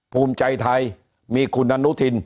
ภูมิใจไทยมีคุณอนุทิน